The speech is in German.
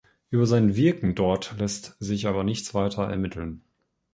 Über sein Wirken dort lässt sich aber nichts weiter ermitteln.